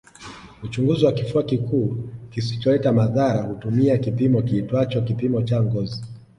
Uchunguzi wa kifua kikuu kisicholeta madhara hutumia kipimo kiitwacho kipimo cha ngozi